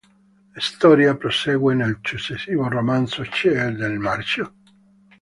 La storia prosegue nel successivo romanzo "C'è del marcio".